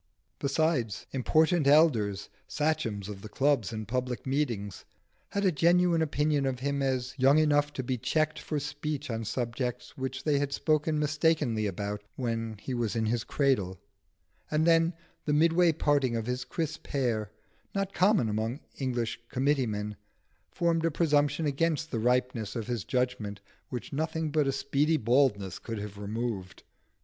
Besides, important elders, sachems of the clubs and public meetings, had a genuine opinion of him as young enough to be checked for speech on subjects which they had spoken mistakenly about when he was in his cradle; and then, the midway parting of his crisp hair, not common among English committee men, formed a presumption against the ripeness of his judgment which nothing but a speedy baldness could have removed.